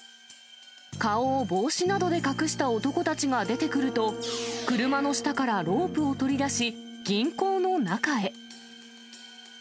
顔を帽子などで隠した男たちが出てくると、車の下からロープを取り出し、銀行の中へ。